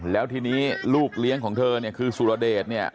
และที่นี้ลูกเลี้ยงของเธอคือสุระเดช